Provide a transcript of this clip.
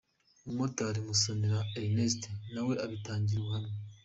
Umumotari Musonera Erneste nawe abitangira ubuhamya.